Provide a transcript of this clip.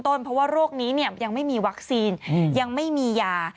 เพราะว่าโรคนี้ยังไม่มีวัคซีนยังไม่มียา